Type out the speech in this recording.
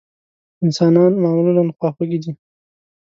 انسانان معمولا خواخوږي دي.